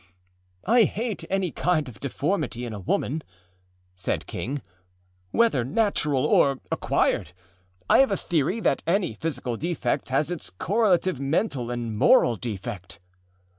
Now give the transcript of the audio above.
â âI hate any kind of deformity in a woman,â said King, âwhether natural orâacquired. I have a theory that any physical defect has its correlative mental and moral defect.